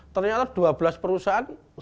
ternyata dua belas perusahaan suruh dikirim